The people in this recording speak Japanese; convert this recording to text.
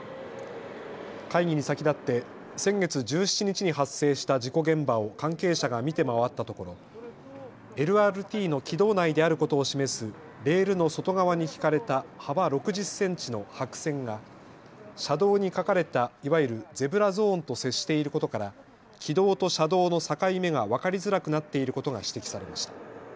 会議に先立って先月１７日に発生した事故現場を関係者が見て回ったところＬＲＴの軌道内であることを示すレールの外側に引かれた幅６０センチの白線が車道に描かれたいわゆるゼブラゾーンと接していることから軌道と車道の境目が分かりづらくなっていることが指摘されました。